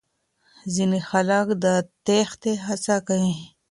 ځينې خلک د تېښتې هڅه کوي.